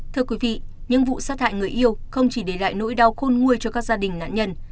thưa quý vị những vụ sát hại người yêu không chỉ để lại nỗi đau khôn nguôi cho các gia đình nạn nhân